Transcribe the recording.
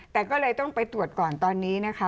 แต่ก็เลยต้องไปตรวจก่อนตอนนี้นะคะ